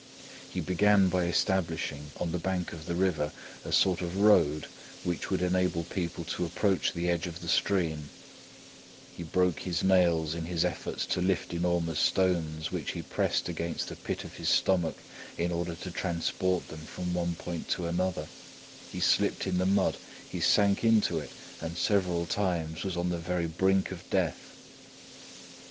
He began by establishing on the bank of the river a sort of road which would enable people to approach the edge of the stream; he broke his nails in his efforts to lift enormous stones which he pressed against the pit of his stomach in order to transport them from one point to another; he slipped in the mud, he sank into it, and several times was on the very brink of death.